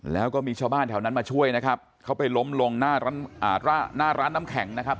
แล้วก็มีชาวบ้านแถวนั้นมาช่วยนะครับเขาไปล้มลงหน้าร้านน้ำแข็งนะครับ